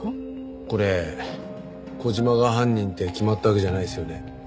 これ小島が犯人って決まったわけじゃないですよね？